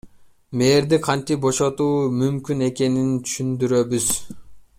Мэрди кантип бошотуу мүмкүн экенин түшүндүрөбүз.